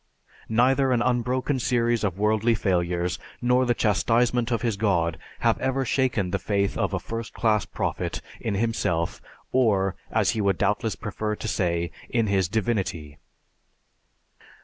Neither an unbroken series of worldly failures nor the chastisement of his god have ever shaken the faith of a first class prophet in himself or, as he would doubtless prefer to say, in his Divinity.